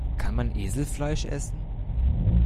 Kann man Eselfleisch essen?